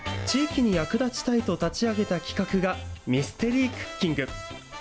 地域に役立ちたいと立ち上げた企画が、ミステリー×クッキング。